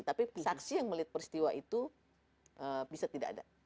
tapi saksi yang melihat peristiwa itu bisa tidak ada